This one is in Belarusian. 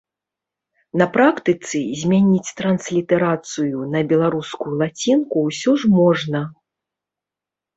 На практыцы змяніць транслітарацыю на беларускую лацінку ўсё ж можна.